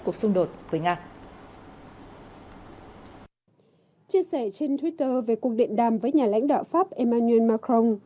cuộc xung đột với nga chia sẻ trên twitter về cuộc điện đàm với nhà lãnh đạo pháp emmanuel macron